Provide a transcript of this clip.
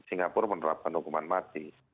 singapura menerapkan hukuman mati